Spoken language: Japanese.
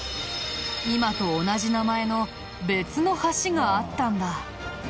今と同じ名前の別の橋があったんだ。